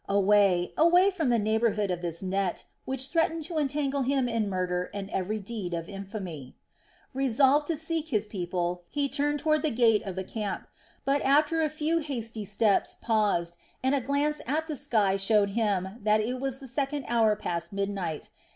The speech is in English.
Away, away from the neighborhood of this net, which threatened to entangle him in murder and every deed of infamy. Resolved to seek his people, he turned toward the gate of the camp, but after a few hasty steps paused, and a glance at the sky showed him that it was the second hour past midnight.